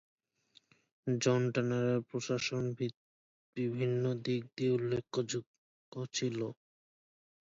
জন ট্যানারের প্রশাসন বিভিন্ন দিক দিয়ে উল্লেখযোগ্য ছিল।